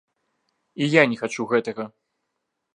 І я не хачу гэтага.